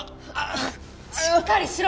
しっかりしろ！